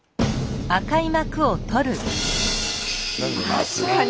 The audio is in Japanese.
確かに。